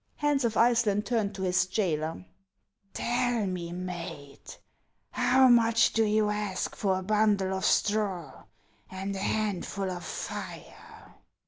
Hans of Iceland turned to his jailer :" Tell me, mate, how much do you ask for a bundle of straw and a handful of fire